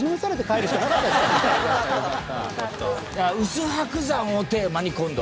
「薄伯山」をテーマに今度。